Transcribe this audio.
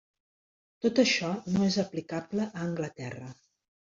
Tot això no és aplicable a Anglaterra.